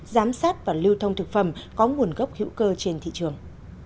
giám sát và lưu thông thực phẩm có nguồn gốc hữu cơ trên thị trường